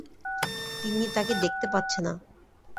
তিন্নি তাকে দেখতে পাচ্ছে না।